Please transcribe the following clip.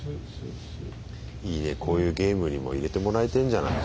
いいねこういうゲームにも入れてもらえてんじゃない。